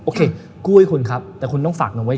กู้ให้คุณครับแต่คุณต้องฝากน้องไว้